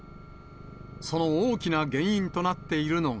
その大きな原因となっているのが。